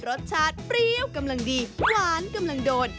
รสชาติเปรี้ยวกำลังดีหวานกำลังโดน